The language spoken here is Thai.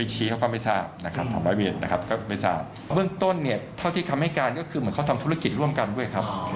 หมายถึงเค้าทำธุรกิจร่วมกันด้วย